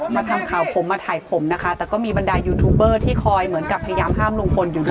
มาทำข่าวผมมาถ่ายผมนะคะแต่ก็มีบรรดายูทูบเบอร์ที่คอยเหมือนกับพยายามห้ามลุงพลอยู่ด้วย